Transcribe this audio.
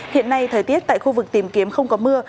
hiện nay thời tiết tại khu vực tìm kiếm không có mưa